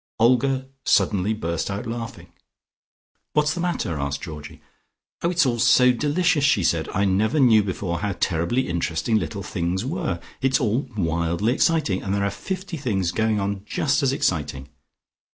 Olga suddenly burst out laughing. "What's the matter?" asked Georgie. "Oh, it's all so delicious!" she said. "I never knew before how terribly interesting little things were. It's all wildly exciting, and there are fifty things going on just as exciting.